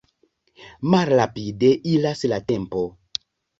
Malrapide iras la tempo.